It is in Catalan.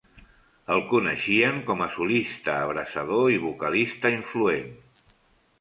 El coneixien com a solista abrasador i vocalista influent.